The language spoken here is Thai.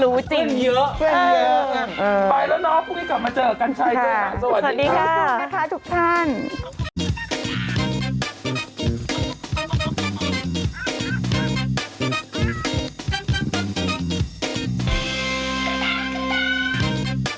รู้จริงเพื่อนเยอะไปแล้วเนอะพบกันกลับมาเจอกันชัยเจ้าหาสวัสดีค่ะ